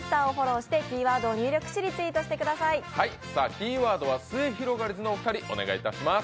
キーワードはすゑひろがりずのお二人お願いします。